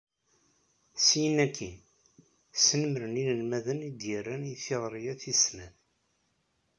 Syin akkin, snemmren inelmaden i d-yerran i teɣri-a tis-snat.